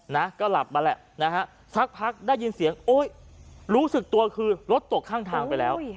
นะก็หลับมาแหละนะฮะสักพักได้ยินเสียงโอ๊ยรู้สึกตัวคือรถตกข้างทางไปแล้ว